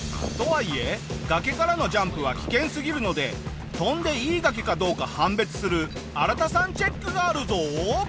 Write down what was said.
とはいえ崖からのジャンプは危険すぎるので飛んでいい崖かどうか判別するアラタさんチェックがあるぞ。